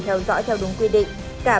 theo dõi theo đúng quy định